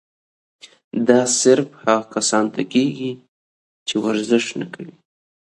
دا صرف هغه کسانو ته کيږي چې ورزش نۀ کوي